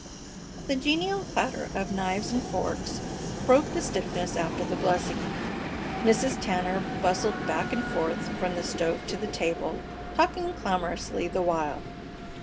The genial clatter of knives and forks broke the stiffness after the blessing. Mrs. Tanner bustled back and forth from the stove to the table, talking clamorously the while.